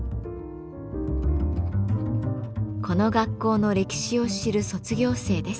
この学校の歴史を知る卒業生です。